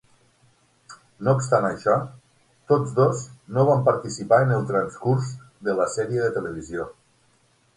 No obstant això, tots dos no van participar en el transcurs de la sèrie de televisió.